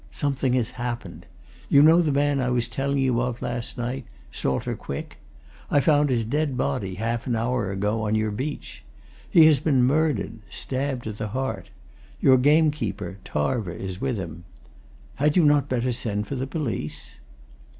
"Something has happened. You know the man I was telling you of last night Salter Quick? I found his dead body, half an hour ago, on your beach. He has been murdered stabbed to the heart. Your gamekeeper, Tarver, is with him. Had you not better send for the police?"